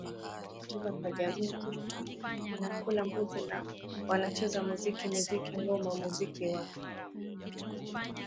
kutoka kwa jamii Kisha wanakula mbuzi na wanacheza muzikiMuziki na ngoma Muziki wa